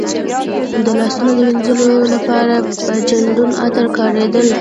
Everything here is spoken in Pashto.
د لاسونو د وینځلو لپاره به د چندڼو عطر کارېدل.